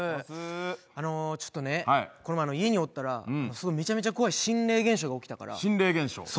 ちょっとこの前、家におったらめちゃめちゃ怖い心霊現象あったから。